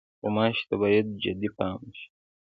غوماشې ته باید جدي پام وشي.